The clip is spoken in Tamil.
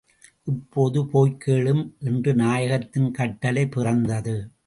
இப்போது போய்க் கேளும் —என்று நாயகத்தின் கட்டளை பிறந்தது.